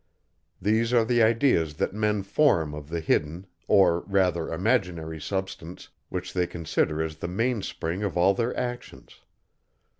These are the ideas that men form of the hidden, or rather imaginary substance, which they consider as the main spring of all their actions!